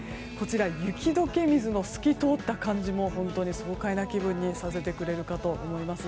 雪解け水の透き通った感じも本当に爽快な気分にさせてくれるかと思います。